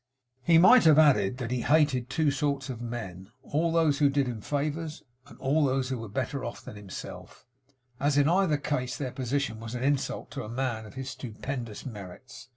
He might have added that he hated two sorts of men; all those who did him favours, and all those who were better off than himself; as in either case their position was an insult to a man of his stupendous merits.